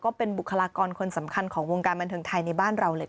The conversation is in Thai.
บุคลากรคนสำคัญของวงการบันเทิงไทยในบ้านเราเลย